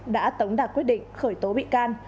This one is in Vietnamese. đã tống đạt quyết định khởi tố bị can